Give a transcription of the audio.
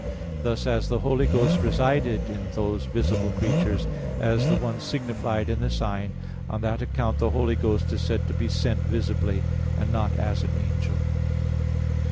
Thus, as the Holy Ghost resided in those visible creatures as the one signified in the sign, on that account the Holy Ghost is said to be sent visibly, and not as an angel.